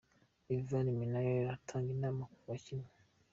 Ivan Minaert atanga inama ku bakinnyi .